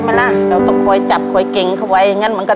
ทับผลไม้เยอะเห็นยายบ่นบอกว่าเป็นยังไงครับ